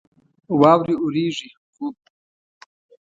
واورې اوريږي ،خو